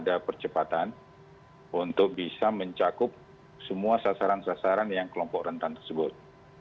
ada percepatan untuk bisa mencakup semua sasaran sasaran yang kelompok rentan tersebut